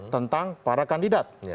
tentang para kandidat